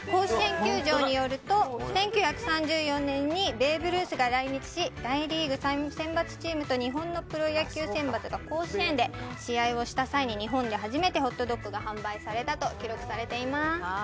甲子園球場によりますと１９３４年にベーブ・ルースが来日し大リーグ選抜チームと日本のプロ野球選抜が甲子園で試合をした際に日本で初めてホットドッグが販売されたと記録されています。